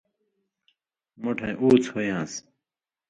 مُوٹَھیں اُوڅھ ہُویان٘س۔